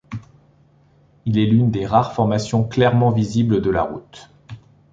Il est l'une des rares formations clairement visibles de la route.